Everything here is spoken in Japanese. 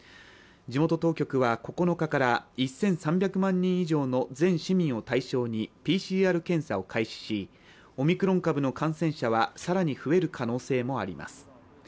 地元当局は９日から１３００万人以上の全市民を対象にＰＣＲ検査を開始しオミクロン株の感染者は更に増える可能性もあります。